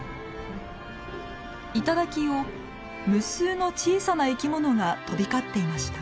頂を無数の小さな生き物が飛び交っていました。